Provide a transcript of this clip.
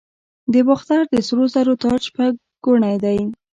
د باختر د سرو زرو تاج شپږ ګونی دی